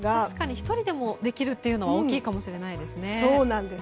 １人でもできるというのは大きいかもしれないです。